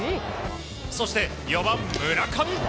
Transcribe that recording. そして、４番、村上。